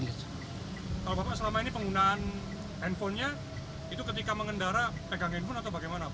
kalau bapak selama ini penggunaan handphonenya itu ketika mengendara pegang handphone atau bagaimana